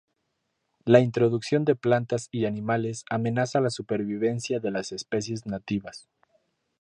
La introducción de plantas y animales amenaza la supervivencia de las especies nativas.